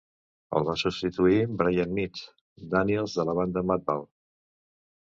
El va substituir Brian "Mitts" Daniels de la banda Madball.